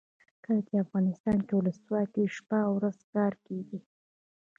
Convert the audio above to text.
کله چې افغانستان کې ولسواکي وي شپه او ورځ کار کیږي.